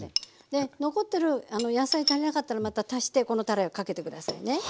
残ってる野菜足りなかったらまた足してこのたれをかけて下さいね。